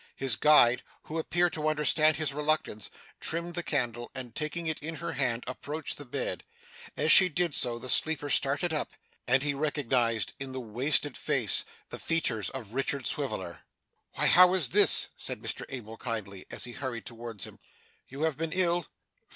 His guide, who appeared to understand his reluctance, trimmed the candle, and taking it in her hand, approached the bed. As she did so, the sleeper started up, and he recognised in the wasted face the features of Richard Swiveller. 'Why, how is this?' said Mr Abel kindly, as he hurried towards him. 'You have been ill?